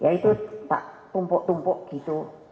ya itu tak tumpuk tumpuk gitu